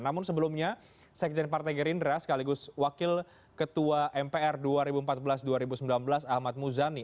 namun sebelumnya sekjen partai gerindra sekaligus wakil ketua mpr dua ribu empat belas dua ribu sembilan belas ahmad muzani